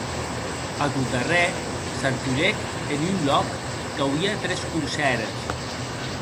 A tot darrèr, s’arturèc en un lòc qu’auie tres corsères.